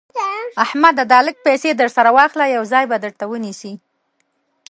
احمده دا لږ پيسې در سره واخله؛ يو ځای به درته ونيسي.